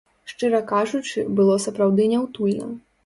Шчыра кажучы, было сапраўды няўтульна.